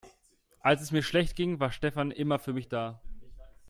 Als es mir schlecht ging, war Stefan immer für mich da.